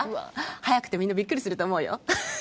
速くてみんなびっくりすると思うよ。